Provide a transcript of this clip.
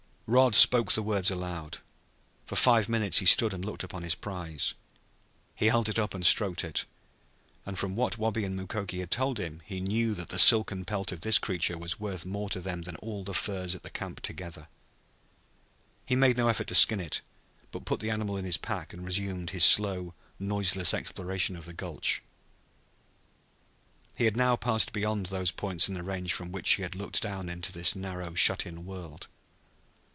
Rod spoke the words aloud. For five minutes he stood and looked upon his prize. He held it up and stroked it, and from what Wabi and Mukoki had told him he knew that the silken pelt of this creature was worth more to them than all the furs at the camp together. He made no effort to skin it, but put the animal in his pack and resumed his slow, noiseless exploration of the gulch. He had now passed beyond those points in the range from which he had looked down into this narrow, shut in world.